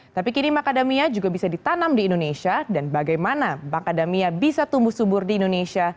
tapi kini macadamia juga bisa ditanam di indonesia dan bagaimana macadamia bisa tumbuh subur di indonesia